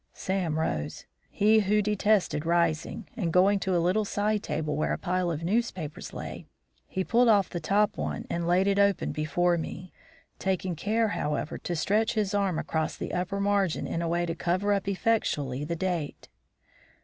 Sam rose he who detested rising and, going to a little side table where a pile of newspapers lay, he pulled off the top one and laid it open before me, taking care, however, to stretch his arm across the upper margin in a way to cover up effectually the date.